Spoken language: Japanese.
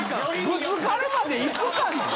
ぶつかるまで行くかな？